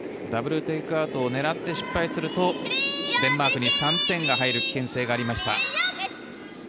ダブル・テイクアウトを狙って失敗するとデンマークに３点が入る危険性がありました。